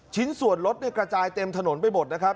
ชิ้นส่วนรถกระจายเต็มถนนไปหมดนะครับ